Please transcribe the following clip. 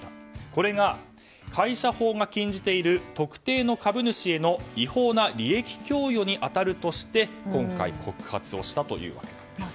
これが会社法が禁じている特定の株主への違法な利益供与に当たるとして今回告発をしたというわけなんです。